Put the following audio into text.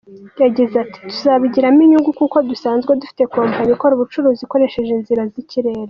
Yagize ati “Tuzabigiramo inyungu, kuko dusanzwe dufite Kompanyi ikora ubucuruzi ikoresheje inzira z’ikirere.